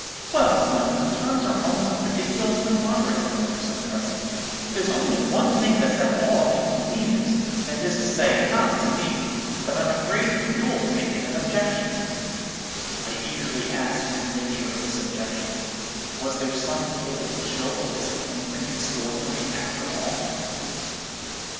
"'Well, Clem, the terms are almost ridiculously moderate,' my mother said, presently. 'There's only one thing that's at all inconvenient, that is to say, not to me, but I'm afraid you'll think it an objection.' "I eagerly asked the nature of this objection. Was there some cold chill of disappointment in store for me, after all?